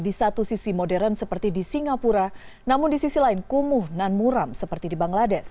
di satu sisi modern seperti di singapura namun di sisi lain kumuh dan muram seperti di bangladesh